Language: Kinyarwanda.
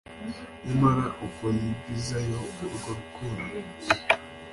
Nyamara uko yigizayo urwo rukundo